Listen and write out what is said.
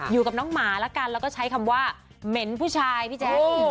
อยู่กับน้องหมาแล้วกันแล้วก็ใช้คำว่าเหม็นผู้ชายพี่แจ๊ค